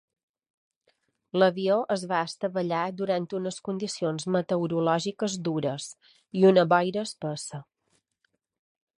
L'avió es va estavellar durant unes condicions meteorològiques dures i una boira espessa.